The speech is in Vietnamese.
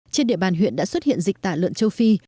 trên địa bàn huyện đã xuất hiện dịch tả lợn châu phi